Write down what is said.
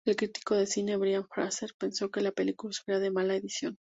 El crítico de cine Bryant Frazer pensó que la película sufría de mala edición.